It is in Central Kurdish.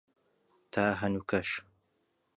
تا هەنووکەش